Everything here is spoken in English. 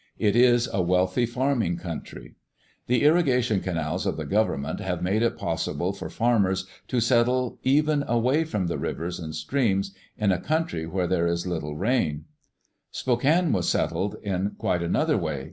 It is a wealthy farming country. The irrigation canals of the Government have made [X84] ^, Digitized by VjOOQ IC THE BEGINNINGS OF CITIES it possible for farmers to settle even away from the rivers and streams in a country where there is little rain. Spokane was settled in quite another way.